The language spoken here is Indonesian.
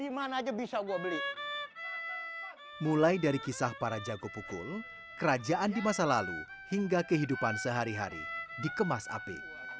mulai dari kisah para jago pukul kerajaan di masa lalu hingga kehidupan sehari hari dikemas api